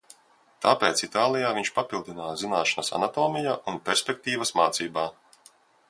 Tāpēc Itālijā viņš papildināja zināšanas anatomijā un perspektīvas mācībā.